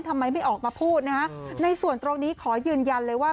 ทำไมไม่ออกมาพูดนะฮะในส่วนตรงนี้ขอยืนยันเลยว่า